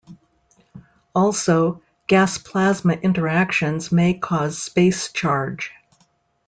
Also, gas plasma interactions may cause space charge.